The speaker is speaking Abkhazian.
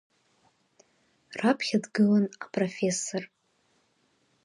Раԥхьа дгылан апрофессор…